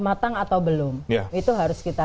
matang atau belum itu harus kita